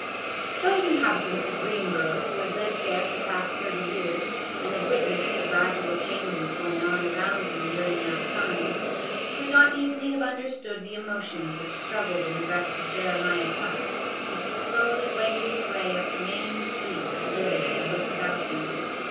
" Those inhabitants of Greenboro, who had lived there for the past thirty years, and had witnessed the gradual changes going on around them during that time, could not easily have understood the emotions which struggled in the breast of Jeremiah Tufts as he slowly wended his way up the main street of the village and looked about him.